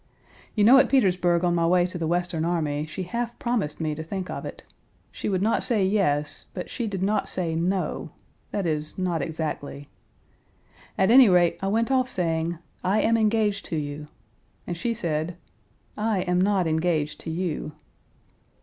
You know at Page 269 Petersburg on my way to the Western army she half promised me to think of it. She would not say 'Yes,' but she did not say 'No' that is, not exactly. At any rate, I went off saying, 'I am engaged to you,' and she said, 'I am not engaged to you.'